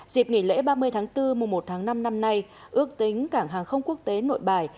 dịp nghỉ lễ ba mươi tháng bốn mùa một tháng năm năm nay ước tính cảng hàng không quốc tế nội bài